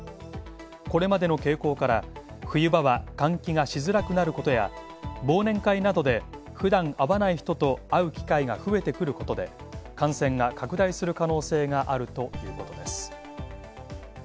これまでの傾向から冬場は換気がしづらくなることや忘年会などで、ふだん会わない人と会う機会が増えてくることで感染が拡大する可能性があるということです。